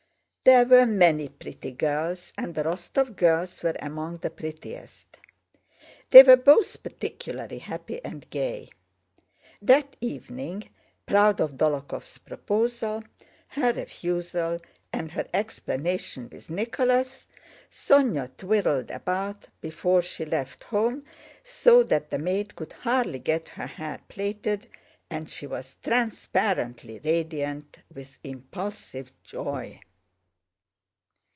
There were many pretty girls and the Rostóv girls were among the prettiest. They were both particularly happy and gay. That evening, proud of Dólokhov's proposal, her refusal, and her explanation with Nicholas, Sónya twirled about before she left home so that the maid could hardly get her hair plaited, and she was transparently radiant with impulsive joy.